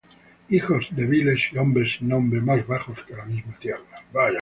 Hijos de viles, y hombres sin nombre, Más bajos que la misma tierra.